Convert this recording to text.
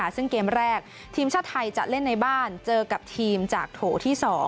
ซึ่งเกมแรกทีมชาติไทยจะเล่นในบ้านเจอกับทีมจากโถที่๒